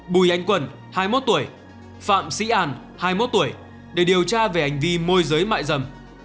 bùi anh quần hai mươi một tuổi phạm sĩ an hai mươi một tuổi để điều tra về hành vi môi giới mại dâm